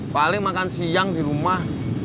paling makan siang di rumah